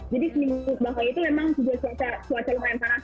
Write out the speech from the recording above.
jadi minggu kebelakang itu memang juga suaca lumayan panas